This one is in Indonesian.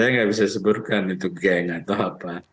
saya nggak bisa sebutkan itu geng atau apa